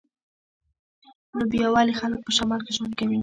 نو بیا ولې خلک په شمال کې ژوند کوي